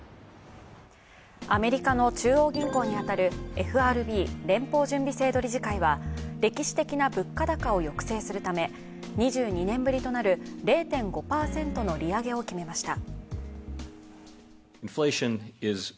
アメリカの中央銀行に当たるＦＲＢ＝連邦準備制度理事会は歴史的な物価高を抑制するため、２２年ぶりとなる０．５％の利上げを決めました。